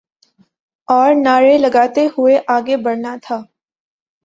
اورنعرے لگاتے ہوئے آگے بڑھنا تھا۔